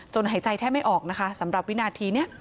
หายใจแทบไม่ออกนะคะสำหรับวินาทีนี้